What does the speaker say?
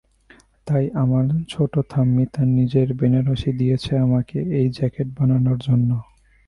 তাই আমার ছোট ঠাম্মি তার নিজের বেনারসি দিয়েছে আমাকে এই জ্যাকেট বানানোর জন্য।